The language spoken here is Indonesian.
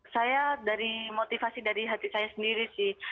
saya dari motivasi dari hati saya sendiri sih